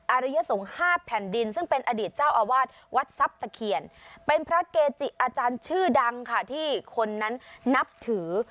อริยสงฆ์๕แผ่นดินซึ่งเป็นอดีตเจ้าอาวาสวัดทรัพย์ตะเขียนเป็นพระเกจิอาจารย์ชื่อดังค่ะที่คนนั้นนับถือ